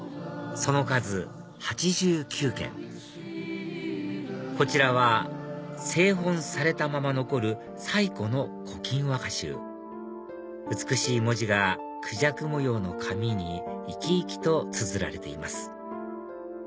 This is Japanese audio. その数８９件こちらは製本されたまま残る最古の『古今和歌集』美しい文字がくじゃく模様の紙に生き生きとつづられています